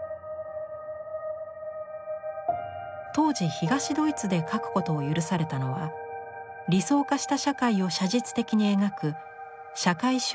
当時東ドイツで描くことを許されたのは理想化した社会を写実的に描く「社会主義リアリズム」だけ。